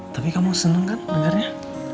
tapi kamu seneng kan dengarnya